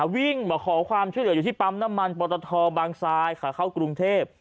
วิ่งมาขอความช่วยเหลืออยู่ที่ปั๊มน้ำมันปตทบางซ้ายขาเข้ากรุงเทพ